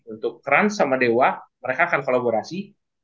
untuk kranz sama dewa mereka akan kolaborasi